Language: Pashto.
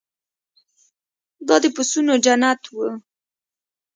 دا د پسونو جنت و.